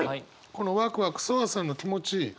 このワクワクソワソワの気持ち